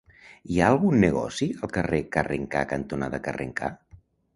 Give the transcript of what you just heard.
Hi ha algun negoci al carrer Carrencà cantonada Carrencà?